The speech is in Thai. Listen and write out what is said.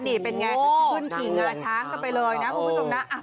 นี่เป็นอย่างไรคุณกิ่งช้างกันไปเลยนะคุณคุณสมนตร์